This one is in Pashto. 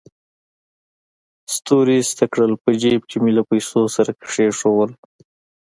ستوري ایسته کړل، په جېب کې مې له پیسو سره کېښودل.